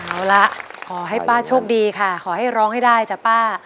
เอาละขอให้ป้าโชคดีค่ะขอให้ร้องให้ได้จ้ะป้า